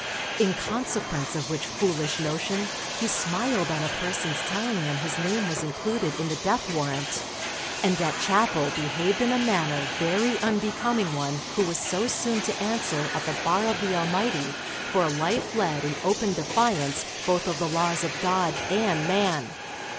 In consequence of which foolish notion he smiled on a person's telling him his name was included in the death warrant, and at chapel behaved in a manner very unbecoming one who was so soon to answer at the Bar of the Almighty for a life led in open defiance both of the laws of God and man.